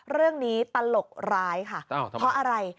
เรื่องนี้ตลกร้ายค่ะเพราะอะไร